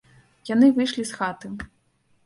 Яны выйшлі з хаты.